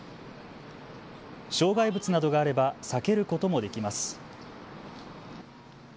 障害物などがあれば避けることもできます。